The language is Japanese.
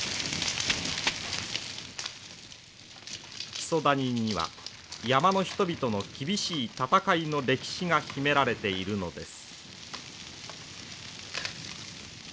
木曽谷には山の人々の厳しい闘いの歴史が秘められているのです。